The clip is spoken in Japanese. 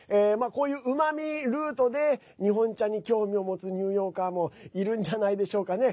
こういう、うまみルートで日本茶に興味を持つニューヨーカーもいるんじゃないでしょうかね。